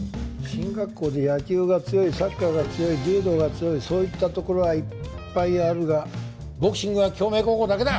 進学校で野球が強いサッカーが強い柔道が強いそういったところはいっぱいあるがボクシングは京明高校だけだ！